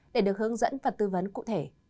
để được hướng dẫn và tư vấn cụ thể